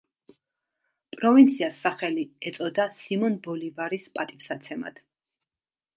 პროვინციას სახელი ეწოდა სიმონ ბოლივარის პატივსაცემად.